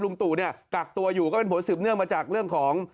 ตู่เนี่ยกักตัวอยู่ก็เป็นผลสืบเนื่องมาจากเรื่องของ